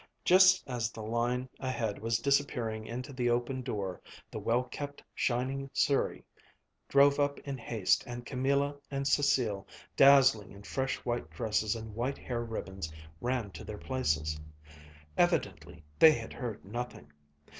Just as the line ahead was disappearing into the open door, the well kept, shining surrey drove up in haste and Camilla and Cécile, dazzling in fresh white dresses and white hair ribbons, ran to their places. Evidently they had heard nothing.